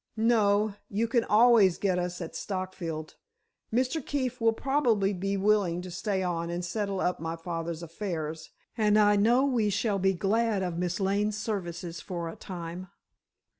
"No; you can always get us at Stockfield. Mr. Keefe will probably be willing to stay on and settle up my father's affairs, and I know we shall be glad of Miss Lane's services for a time."